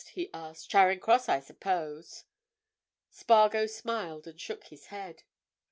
he asked. "Charing Cross, I suppose!" Spargo smiled and shook his head.